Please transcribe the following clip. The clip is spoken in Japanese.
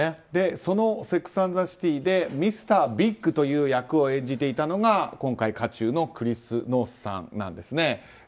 その「セックス・アンド・ザ・シティ」でミスター・ビッグという役を演じていたのが今回、渦中のクリス・ノースさんなんですね。